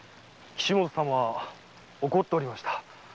岸本様は怒っておりました。